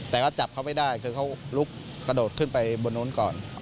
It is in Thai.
แต่ก็จับเขาไม่ได้ก็ลุกกระโดดขึ้นไปบนดนก่อน